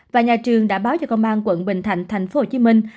và nhà trường đã báo cho công an quận bình thạnh thành phố hồ chí minh